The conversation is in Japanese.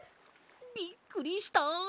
びっくりした！